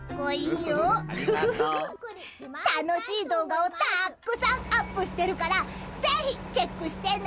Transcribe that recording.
［楽しい動画をたくさんアップしてるからぜひチェックしてね］